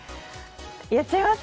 やっちゃいます？